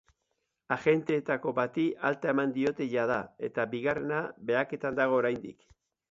Agenteetako bati alta eman diote jada eta bigarrena behaketan dago oraindik.